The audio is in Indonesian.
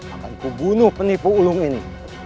akan kubunuh penipu ulung ini